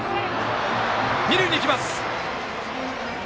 二塁に行きます！